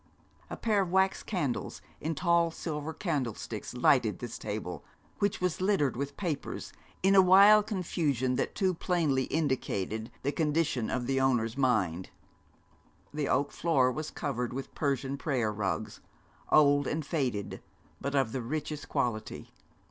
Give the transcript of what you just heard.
A pair of wax candles, in tall silver candlesticks, lighted this table, which was littered with papers, in a wild confusion that too plainly indicated the condition of the owner's mind. The oak floor was covered with Persian prayer rugs, old and faded, but of the richest quality.